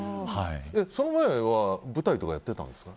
その前は舞台とかやってたんですか？